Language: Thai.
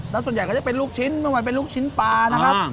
แล้วส่วนใหญ่ก็จะเป็นลูกชิ้นไม่ว่าเป็นลูกชิ้นปลานะครับ